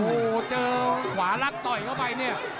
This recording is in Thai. โอ้โหเจอขวาลักต่อยเข้าไปเนี่ย